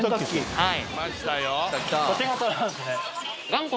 はい。